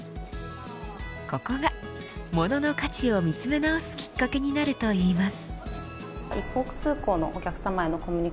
ここが物の価値を見つめ直すきっかけになるといいます。